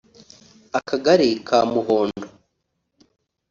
Akagali ka Muhondo